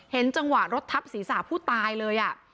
เห็นจังหวะรถทับศีรษะผู้ตายเลยอ่ะ